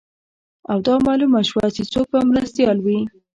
او دا معلومه شوه چې څوک به مرستیال وي